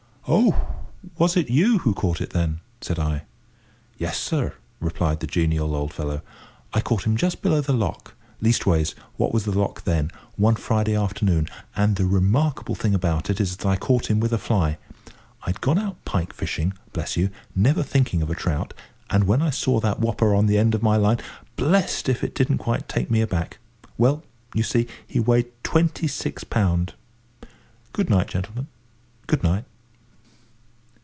"Oh! was it you who caught it, then?" said I. "Yes, sir," replied the genial old fellow. "I caught him just below the lock—leastways, what was the lock then—one Friday afternoon; and the remarkable thing about it is that I caught him with a fly. I'd gone out pike fishing, bless you, never thinking of a trout, and when I saw that whopper on the end of my line, blest if it didn't quite take me aback. Well, you see, he weighed twenty six pound. Good night, gentlemen, good night."